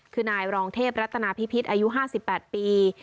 คือนายรองเทพรัตนาพิพิษอายุ๕๘ปี